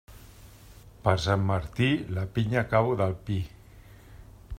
Per Sant Martí, la pinya cau del pi.